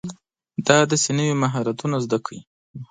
دا دی چې نوي مهارتونه زده کړئ.